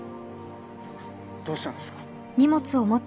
どうしたんですか？